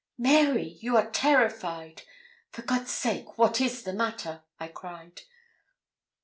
'Mary, you are terrified; for God's sake, what is the matter?' I cried.